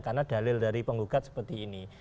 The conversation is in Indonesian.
karena dalil dari penggugat seperti ini